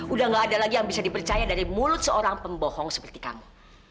udah gak ada lagi yang bisa dipercaya dari mulut seorang pembohong seperti kamu